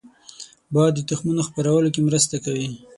باد د تخمونو خپرولو کې مرسته کوي